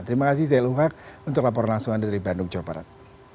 terima kasih zailul haq untuk laporan langsung dari bandung jawa barat